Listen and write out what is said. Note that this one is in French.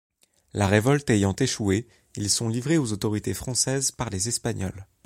La révolte ayant échoué, ils sont livrés aux autorités françaises par les Espagnols.